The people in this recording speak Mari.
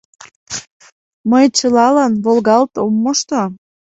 — Мый чылалан волгалт ом мошто.